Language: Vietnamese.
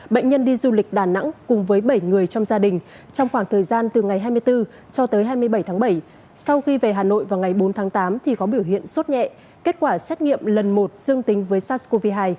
bệnh nhân đi du lịch đà nẵng cùng với bảy người trong gia đình trong khoảng thời gian từ ngày hai mươi bốn cho tới hai mươi bảy tháng bảy sau khi về hà nội vào ngày bốn tháng tám thì có biểu hiện sốt nhẹ kết quả xét nghiệm lần một dương tính với sars cov hai